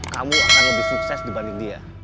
kamu akan lebih sukses dibanding dia